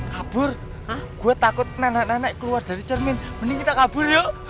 kabur ah gue takut nenek nenek keluar dari cermin mending kita kabur yuk